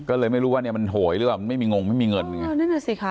ก็เลยไม่รู้ว่าเนี่ยมันโหยหรือเปล่ามันไม่มีงงไม่มีเงินไงนั่นน่ะสิคะ